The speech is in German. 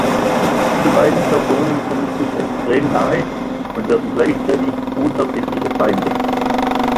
Die beiden Personen kommen sich extrem nahe und werden gleichzeitig unerbittliche Feinde.